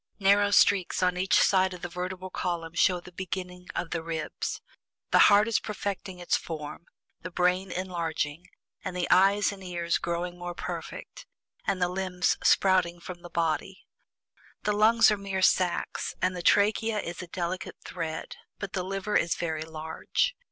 Narrow streaks on each side of the vertebral column show the beginning of the ribs. The heart is perfecting its form, the brain enlarging, and the eyes and ears growing more perfect, and the limbs sprouting from the body. The lungs are mere sacks, and the trachea is a delicate thread, but the liver is very large.